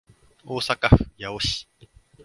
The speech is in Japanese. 大阪府八尾市